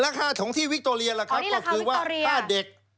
และค่าถงที่วิคโตเรียล่ะครับก็คือว่าค่าเด็ก